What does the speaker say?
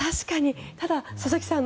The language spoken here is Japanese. ただ、佐々木さん